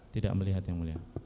tidak melihat yang mulia